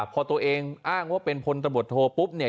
พอตัวเองอ้างว่าเป็นพลตำรวจโทปุ๊บเนี่ย